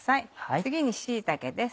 次に椎茸です。